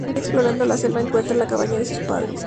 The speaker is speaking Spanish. Un día explorando la selva, encuentra la cabaña de sus padres.